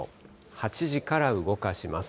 ８時から動かします。